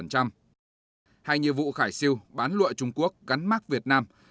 hai nhiệm vụ khải siêu bán lụa trung quốc gắn mát việt nam